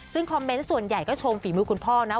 ซึ่งคอมเมนต์ส่วนใหญ่ก็ชมฝีมือคุณพ่อนะ